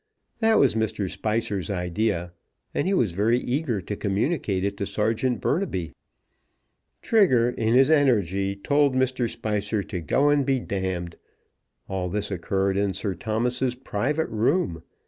That was Mr. Spicer's idea; and he was very eager to communicate it to Serjeant Burnaby. Trigger, in his energy, told Mr. Spicer to go and be . All this occurred in Sir Thomas's private room.